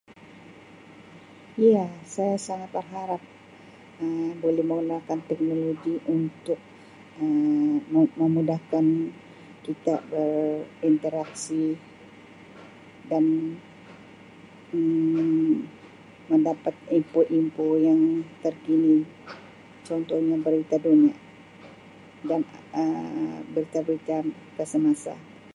Ya saya sangat berharap Um boleh menggunakan teknologi untuk Um memudahkan kita berinteraksi dan Um mendapat info-info yang terkini contohnya berita dunia dan Um berita-berita pasal malaysia.